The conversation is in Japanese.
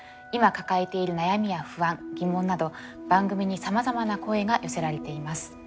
今抱えている悩みや不安疑問など番組にさまざまな声が寄せられています。